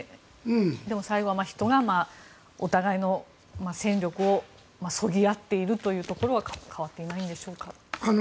でも、最後は人がお互いの戦力をそぎ合っているというところは変わっていないんでしょうか。